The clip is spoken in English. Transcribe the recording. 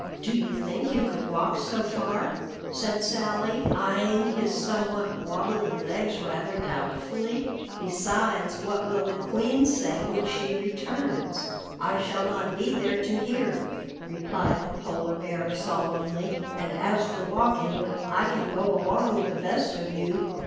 "Do you think you could walk so far?" said Sally, eyeing his somewhat wabbly legs rather doubtfully. "Besides, what will the Queen say when she returns?" "I shall not be there to hear," replied the Polar Bear solemnly. "And as for walking, I can go along with the best of you.